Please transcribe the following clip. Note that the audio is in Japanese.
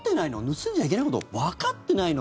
盗んじゃいけないことわかってないの？